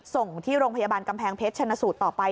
ส่งที่โรงพยาบาลกำแพงเพชรชนะสูตรต่อไป